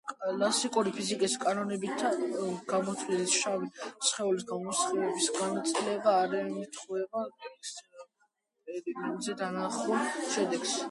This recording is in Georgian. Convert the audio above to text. კლასიკური ფიზიკის კანონებით გამოთვლილი შავი სხეულის გამოსხივების განაწილება არ ემთხვევა ექსპერიმენტზე დანახულ შედეგს.